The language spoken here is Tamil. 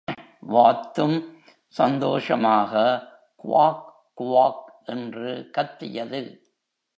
வாத்தும் சந்தோஷமாக, குவாக், குவாக் என்று கத்தியது.